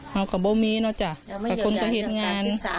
มันก็ไม่มีเนอะจ๊ะก็คนก็เห็นงาน